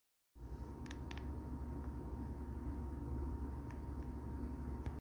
إن كان يوحنا الحبيب المجتبى